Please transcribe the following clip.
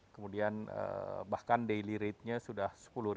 kemudian bahkan daily ratenya sudah sepuluh